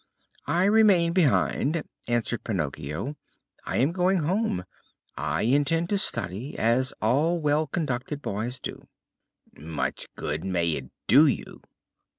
"I remain behind," answered Pinocchio. "I am going home. I intend to study, as all well conducted boys do." "Much good may it do you!"